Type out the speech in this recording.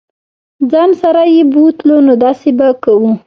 ځان سره یې بوتلو نو داسې به کوو.